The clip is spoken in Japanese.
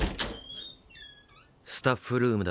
スタッフルームだ。